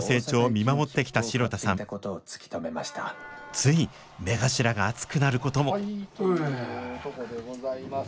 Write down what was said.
つい目頭が熱くなることも。